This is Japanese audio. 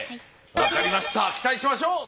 わかりました期待しましょう。